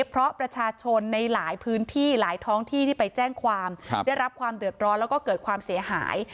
เพราะประชาชนในหลายพื้นที่หลายท้องที่ที่ไปแจ้งความได้รับความเดือดร้อนแล้วก็เกิดความเสียหาย